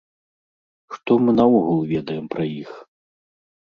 Што мы наогул ведаем пра іх?